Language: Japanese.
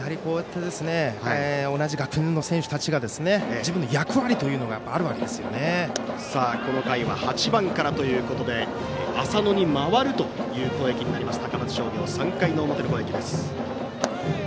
同じ学年の選手たちが自分の役割というのがこの回は８番からということで浅野に回るという攻撃になります高松商業、３回の表の攻撃です。